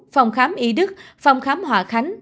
phòng khám y đức phòng khám hòa khánh